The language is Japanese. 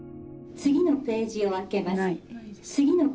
「次のページを開けます」。